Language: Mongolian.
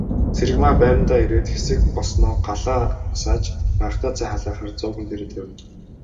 Цэрэгмаа байрандаа ирээд хэсэг болсноо галаа асааж данхтай цай халаахаар зуухан дээрээ тавив.